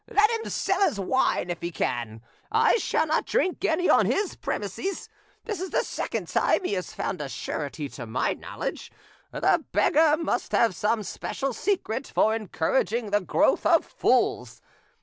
Let him sell his wine if he can; I shall not drink any on his premises. This is the second time he has found a surety to my knowledge; the beggar must have some special secret for encouraging the growth of fools.